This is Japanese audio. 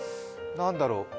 何だろう？